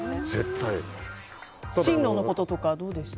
進路のこととかどうでした？